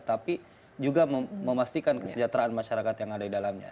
tapi juga memastikan kesejahteraan masyarakat yang ada di dalamnya